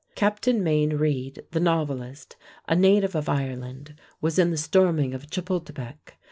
Captain Mayne Reid, the novelist, a native of Ireland, was in the storming of Chapultepec.